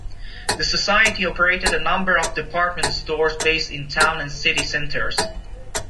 The society operated a number of department stores based in town and city centres.